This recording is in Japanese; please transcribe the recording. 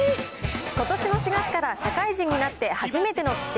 ことしの４月から社会人になって初めての帰省。